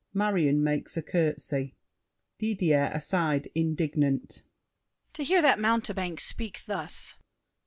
[Marion makes a courtesy. DIDIER (aside, indignant). To hear that mountebank speak thus!